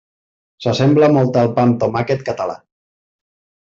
S'assembla molt al pa amb tomàquet català.